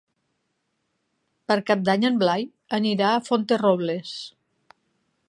Per Cap d'Any en Blai anirà a Fuenterrobles.